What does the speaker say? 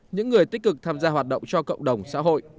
những người tích cực tham gia hoạt động cho cộng đồng xã hội